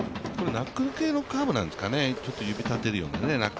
ナックル系のカーブなんですかね、指立てるような。